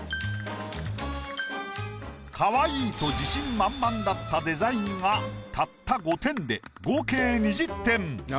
カワイイと自信満々だったデザインがたった５点で合計２０点。